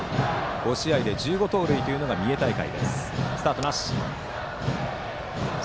５試合で１５盗塁の三重大会。